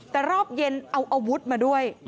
แต่รอบเย็นเอาอาวุธมาด้วย